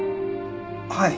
はい。